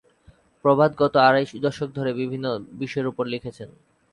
প্রভাত গত আড়াই দশক ধরে বিভিন্ন বিষয়ের উপর লিখেছেন।